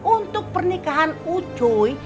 untuk pernikahan ucuy